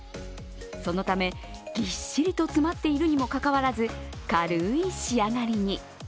そのため、ぎっしりと詰まっているにもかかわらず軽い仕上がりに。